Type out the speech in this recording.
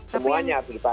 semuanya harus dipastikan